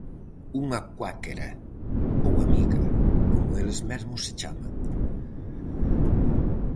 Unha cuáquera, ou amiga, como eles mesmos se chaman.